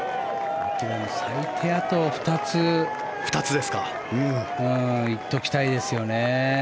最低あと２つ行っておきたいですよね。